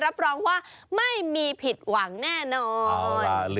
รับรองว่าไม่มีผิดหวังแน่นอน